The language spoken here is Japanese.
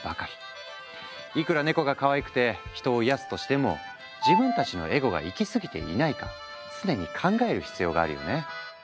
いくらネコがかわいくて人を癒やすとしても自分たちのエゴが行き過ぎていないか常に考える必要があるよね。